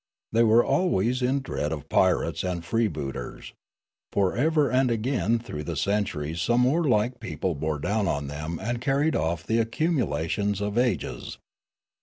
They were always in dread of pirates and freebooters, for ever and again through the centuries some warlike people bore down on them and carried off the accumulations of ages.